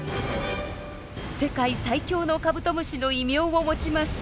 「世界最強のカブトムシ」の異名も持ちます。